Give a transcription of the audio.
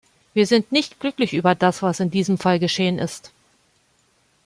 Wir sind nicht glücklich über das, was in diesem Fall geschehen ist.